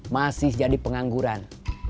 masih jadi pengangguran